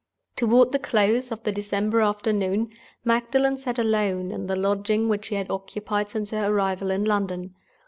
Toward the close of the December afternoon, Magdalen sat alone in the lodging which she had occupied since her arrival in London.